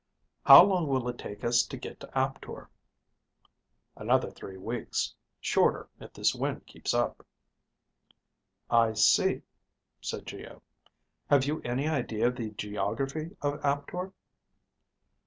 "How long will it take us to get to Aptor?" "Another three weeks. Shorter if this wind keeps up." "I see," said Geo. "Have you any idea of the geography of Aptor?"